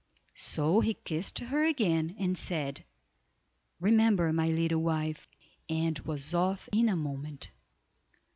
so he kissed her again, and said, "remember, my little wife," and was off in a moment.